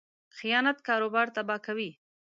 خیانت کاروبار تباه کوي.